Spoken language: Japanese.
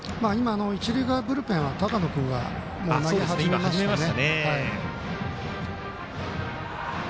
一塁側ブルペンは高野君が投げ始めましたね。